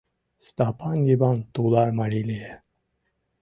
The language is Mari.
Стапан Йыван тулар марий лие.